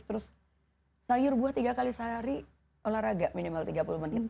terus sayur buah tiga kali sehari olahraga minimal tiga puluh menit